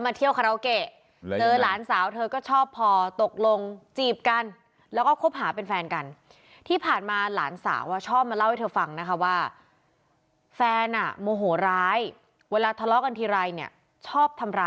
มาเที่ยวคาราโอเกหลานสาวเธอก็ชอบพอตกลงจีบกันแล้วก็